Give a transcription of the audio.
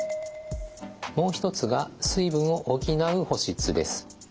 もう一つが水分を補う補湿です。